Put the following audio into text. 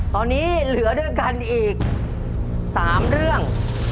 ตอนนี้เหลือด้วยกันอีก๓เรื่อง